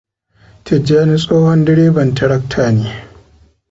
Tijjani tsohon direban tirakta ne.